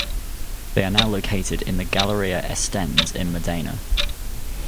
They are now located in the Galleria Estense in Modena.